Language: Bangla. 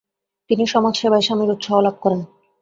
তিনি সমাজসেবায় স্বামীর উৎসাহ লাভ করেন।